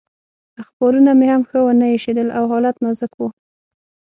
اخبارونه مې هم ښه ونه ایسېدل او حالت نازک و.